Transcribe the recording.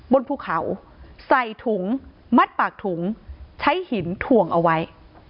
บนภูเขาใส่ถุงมัดปากถุงใช้หินถ่วงเอาไว้